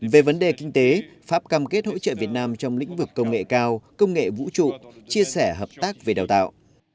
về vấn đề kinh tế pháp cam kết hỗ trợ việt nam trong lĩnh vực công nghệ cao công nghệ vũ trụ chia sẻ hợp tác về đào tạo